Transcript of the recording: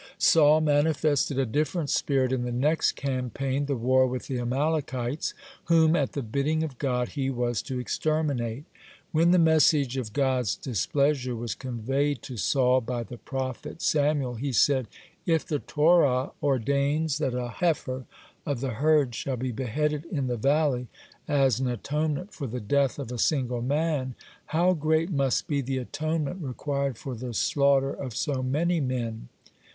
(59) Saul manifested a different spirit in the next campaign, the war with the Amalekites, whom, at the bidding of God, he was to exterminate. When the message of God's displeasure was conveyed to Saul by the prophet Samuel, he said: "If the Torah ordains that a heifer of the herd shall be beheaded in the valley as an atonement for the death of a single man, how great must be the atonement required for the slaughter of so many men?